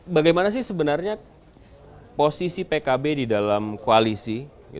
bagaimana sih sebenarnya posisi pkb di dalam koalisi